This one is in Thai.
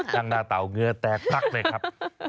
นั่งหน้าเตาเหนือแตกตั้๊กเลยครับ